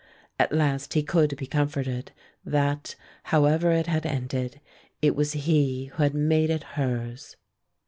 At last he could be comforted that, however it had ended, it was he who had made it hers.